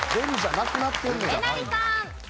えなりさん。